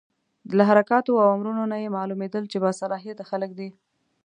له حرکاتو او امرونو نه یې معلومېدل چې با صلاحیته خلک دي.